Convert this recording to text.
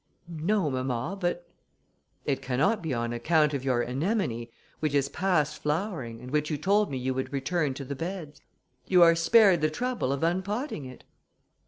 "No, mamma, but...." "It cannot be on account of your anemone, which is past flowering, and which you told me you would return to the beds. You are spared the trouble of unpotting it."